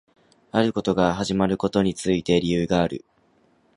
あることが始まることについて理由がある